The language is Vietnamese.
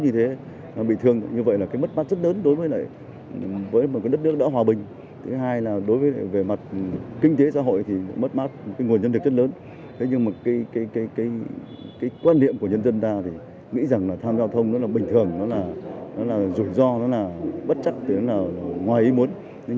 thế nhưng mà cái quan điểm của nhân dân ta thì nghĩ rằng là tham gia giao thông nó là bình thường nó là rủi ro nó là bất chắc nó là ngoài ý muốn